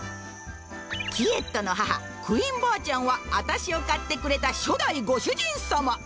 キエットの母クインばあちゃんはアタシを買ってくれた初代ご主人様。